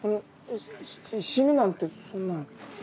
し死ぬなんてそんな。